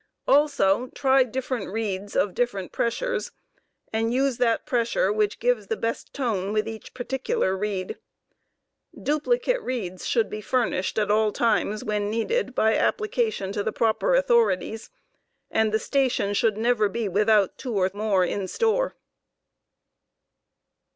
Also, try different reeds of different pressures ; and use that pressure which gives the best tone with each particular reed. Duplicate reeds will be furnished at all times when needed by application to the proper authorities, and the station should never be without two or more in store.